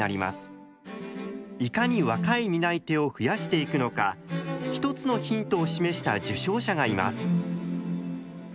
いかに若い担い手を増やしていくのか一つのヒントを示した受賞者がいます。